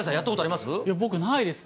僕、ないですね。